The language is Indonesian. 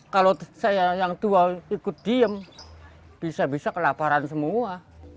kalau saya yang tua ikut diem bisa bisa kelaparan semua